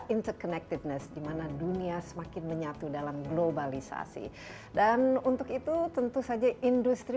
interconnectedness dimana dunia semakin menyatu dalam globalisasi dan untuk itu tentu saja industri